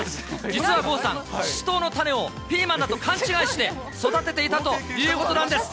実は郷さん、シシトウの種をピーマンだと勘違いして、育てていたということなんです。